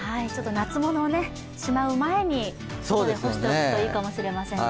夏物をしまう前に干しておくといいかもしれませんね。